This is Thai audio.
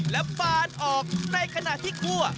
และปานออกในขณะที่คั่ว